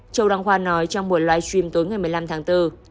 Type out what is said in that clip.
châu đăng khoa nói trong buổi live stream tối ngày một mươi năm tháng bốn